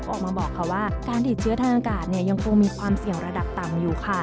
ออกมาบอกค่ะว่าการติดเชื้อทางอากาศยังคงมีความเสี่ยงระดับต่ำอยู่ค่ะ